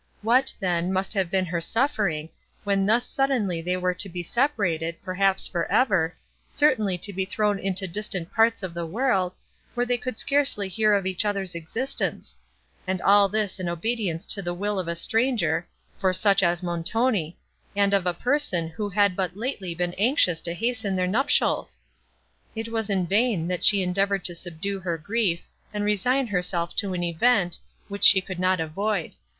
What, then, must have been her suffering, when thus suddenly they were to be separated, perhaps, for ever, certainly to be thrown into distant parts of the world, where they could scarcely hear of each other's existence; and all this in obedience to the will of a stranger, for such as Montoni, and of a person, who had but lately been anxious to hasten their nuptials! It was in vain, that she endeavoured to subdue her grief, and resign herself to an event, which she could not avoid.